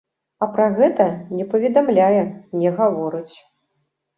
А пра гэта не паведамляе, не гаворыць.